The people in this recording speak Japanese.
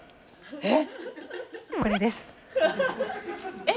えっ！？